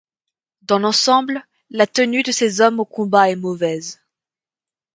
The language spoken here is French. Dans l'ensemble, la tenue de ses hommes au combat est mauvaise.